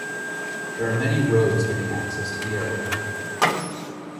There are many roads giving access to the area.